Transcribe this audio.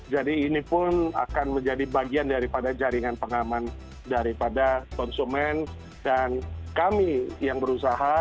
jadi ini pun akan menjadi bagian daripada jaringan pengaman daripada konsumen dan kami yang berusaha